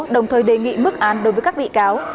đồng thời đề nghị mức án đối với các bị cáo